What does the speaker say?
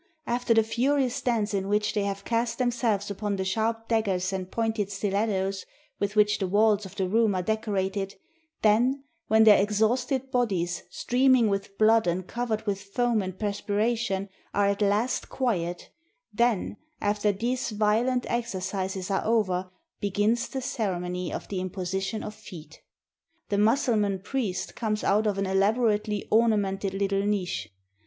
— after the furious dance in which they have cast themselves upon the sharp daggers and pointed stilet tos with which the walls of the room are decorated; — then, when their exhausted bodies, streaming with blood and cov ered with foam and perspiration, are at last quiet — then, after these violent exercises are over, begins the ceremony of the imposition of feet. The Mussulman priest comes out of an elaborately ornamented little niche.